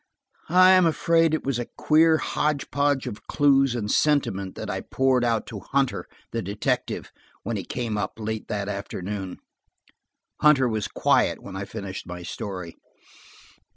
I am afraid it was a queer hodgepodge of clues and sentiment that I poured out to Hunter, the detective, when he came up late that afternoon. Hunter was quiet when I finished my story.